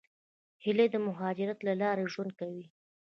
هیلۍ د مهاجرت له لارې ژوند کوي